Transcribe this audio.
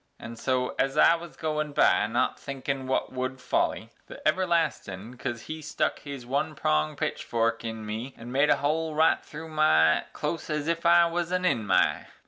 An' so ez I wuz goin' by, not thinkin' wut would folly, The everlastin' cus he stuck his one pronged pitchfork in me An' made a hole right thru my close ez ef I was an in'my.